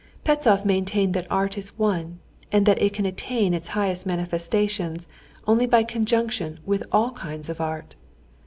Pestsov maintained that art is one, and that it can attain its highest manifestations only by conjunction with all kinds of art.